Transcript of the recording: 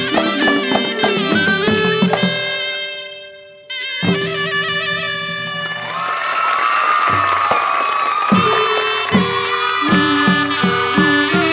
โปรดติดตามต่อไป